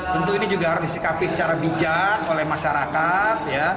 tentu ini juga harus disikapi secara bijak oleh masyarakat